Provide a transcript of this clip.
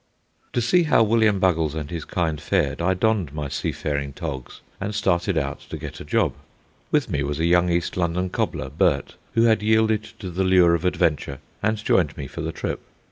To see how William Buggles and his kind fared, I donned my seafaring togs and started out to get a job. With me was a young East London cobbler, Bert, who had yielded to the lure of adventure and joined me for the trip.